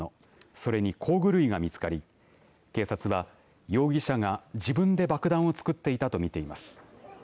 それに工具類が見つかり警察は容疑者が自分で爆弾を作っていたと見ています。